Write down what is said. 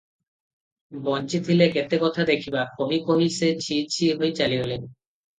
ବଞ୍ଚିଥିଲେ କେତେକଥା ଦେଖିବା- କହି କହି ସେ ଛି-ଛି ହୋଇ ଚାଲିଗଲେ ।